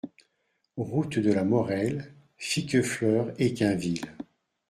Route de la Morelle, Fiquefleur-Équainville